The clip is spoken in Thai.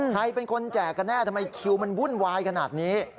ใครเป็นคนแจกกันแน่ทำไมคิวมันวุ่นวายขนาดนี้